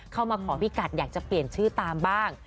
เข้ามาขอพี่กัดอยากจะเปลี่ยนชื่อตามบ้าง